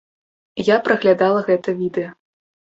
Я праглядала гэта відэа.